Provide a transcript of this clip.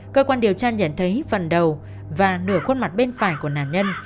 cơ quan điều tra nhận thấy phần đầu và nửa khuôn mặt bên phải của nạn nhân